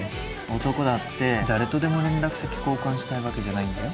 男だって誰とでも連絡先交換したいわけじゃないんだよ。